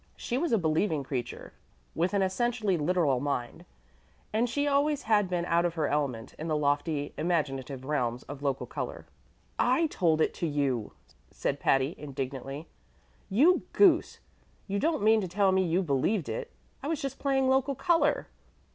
She was a believing creature with an essentially literal mind, and she had always been out of her element in the lofty imaginative realms of local color. "I told it to you!" said Patty, indignantly. "You goose, you don't mean to tell me you believed it? I was just playing local color."